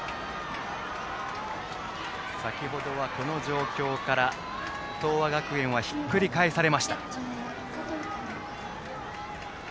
先程は、この状況から東亜学園はひっくり返されました。